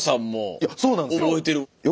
いやそうなんですよ。